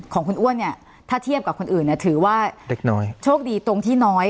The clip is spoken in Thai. ของคุณอ้วนถ้าเทียบกับคนอื่นถือว่าโชคดีตรงที่น้อย